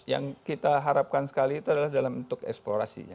yang kita harapkan sekali itu adalah dalam bentuk eksplorasinya